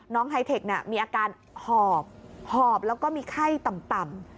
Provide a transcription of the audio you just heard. ไฮเทคมีอาการหอบหอบแล้วก็มีไข้ต่ำ